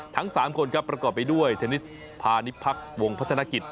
ทั้ง๓คนก็ประกอบไปด้วยเทนนิสภานิพพรรควงพัฒนากิจ